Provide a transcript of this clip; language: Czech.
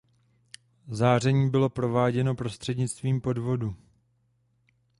Záření bylo prováděno prostřednictvím podvodu.